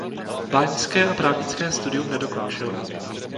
Báňské a právnické studium nedokončil.